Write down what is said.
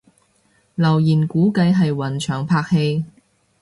留言估計係雲翔拍戲